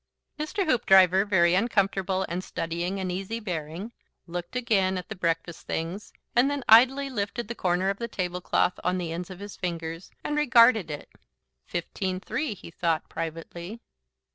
Mr. Hoopdriver, very uncomfortable and studying an easy bearing, looked again at the breakfast things and then idly lifted the corner of the tablecloth on the ends of his fingers, and regarded it. "Fifteen three," he thought, privately.